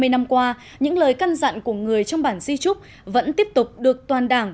hai mươi năm qua những lời căn dặn của người trong bản di trúc vẫn tiếp tục được toàn đảng